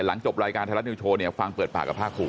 หลังจบรายการไทยรัฐนิวโชว์ฟังเปิดปากกับภาครู